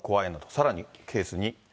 さらに、ケース２。